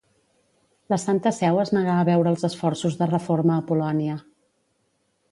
La Santa Seu es negà a veure els esforços de reforma a Polònia.